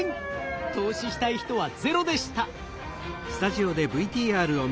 投資したい人はゼロでした。